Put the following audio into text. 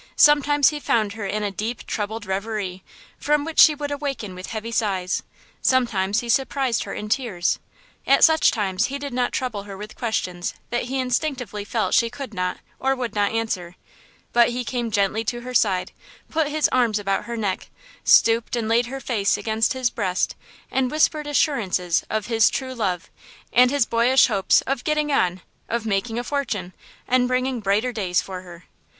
Sometimes he found her in a deep, troubled reverie, from which she would awaken with heavy sighs. Sometimes he surprised her in tears. At such times he did not trouble her with questions that he instinctively felt she could not or would not answer; but he came gently to her side, put his arms about her neck, stooped and laid her face against his breast and whispered assurances of "his true love" and his boyish hopes of "getting on," of "making a fortune" and bringing "brighter days" for her.